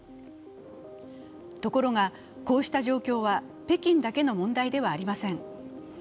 ところがこうした状況は北京だけの問題ではありません。